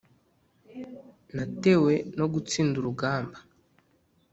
natewe no gutsinda urugamba"